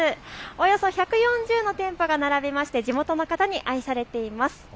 およそ１４０の店舗が並びまして地元の方に愛されています。